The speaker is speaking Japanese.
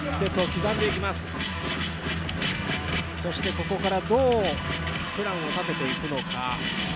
ここからどうプランを立てていくのか。